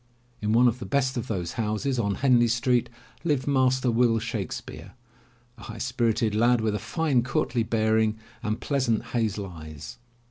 In one of the best of those houses on Henley Street, lived Master Will Shakespeare, a high spirited lad, with a fine, courtly bearing and pleasant hazel eyes.